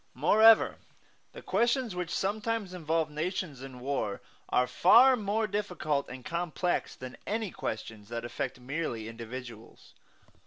Moreover, the questions which sometimes involve nations in war are far more difficult and complex than any questions that affect merely individuals.